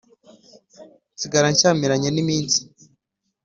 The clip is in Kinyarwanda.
Nsigara nshyamiranye n' iminsi.